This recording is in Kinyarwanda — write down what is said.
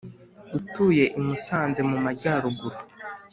utuye i musanze mu majyaruguru